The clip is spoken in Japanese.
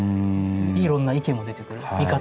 いろんな意見も出てくる見方も出てくる。